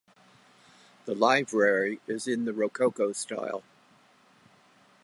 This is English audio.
The Library is in the Rococo-style.